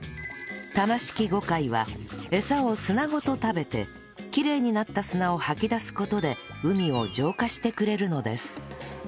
タマシキゴカイは餌を砂ごと食べてきれいになった砂を吐き出す事で海を浄化してくれるのです